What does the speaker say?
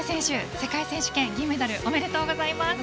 世界選手権銀メダルおめでとうございます。